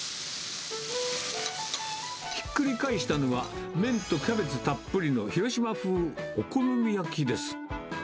ひっくり返したのは、麺とキャベツたっぷりの広島風お好み焼きです。